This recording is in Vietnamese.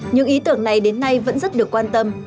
những ý tưởng này đến nay vẫn rất được quan tâm